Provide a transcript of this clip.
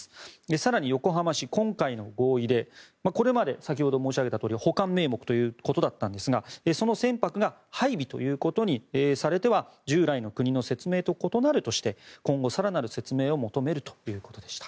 更に、横浜市今回の合意でこれまで先ほど申し上げたとおり保管名目ということだったんですがその船舶が配備ということにされては従来の国の説明と異なるとして今後、更なる説明を求めるということでした。